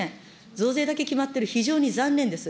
増税だけ決まってる、非常に残念です。